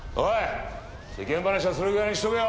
世間話はそれぐらいにしとけよ。